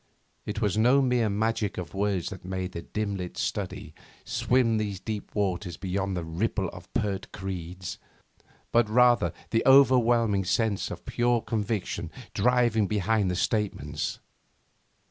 It was no mere magic of words that made the dim lit study swim these deep waters beyond the ripple of pert creeds, but rather the overwhelming sense of sure conviction driving behind the statements.